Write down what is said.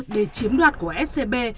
để chiếm đoạt của scb